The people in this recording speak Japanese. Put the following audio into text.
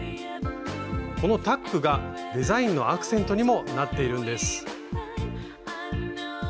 このタックがデザインのアクセントにもなっているんです。